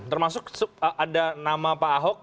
termasuk ada nama pak ahok